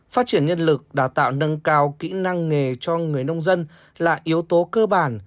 phát triển nhân lực đào tạo nâng cao kỹ năng nghề cho người nông dân là yếu tố cơ bản